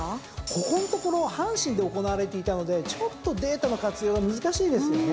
ここんところ阪神で行われていたのでちょっとデータの活用は難しいですよね。